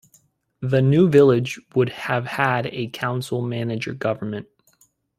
The new village would have had a council-manager government.